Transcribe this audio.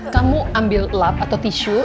kamu ambil lap atau tisu